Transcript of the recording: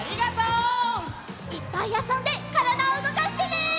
いっぱいあそんでからだをうごかしてね！